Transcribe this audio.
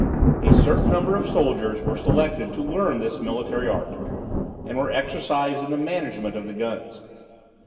A certain number of soldiers were selected to learn this military art, and were exercised in the management of the guns.